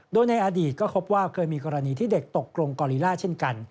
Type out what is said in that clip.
โดยในอดีตก็พบว่าเคยมีกรณีที่เด็กตกกรงกอลิล่าเช่นกัน